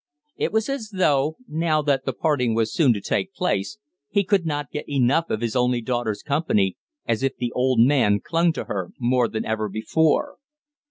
It was as though, now that the parting was so soon to take place, he could not get enough of his only daughter's company, as if the old man clung to her more than ever before.